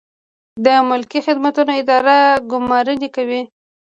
د ملکي خدمتونو اداره ګمارنې کوي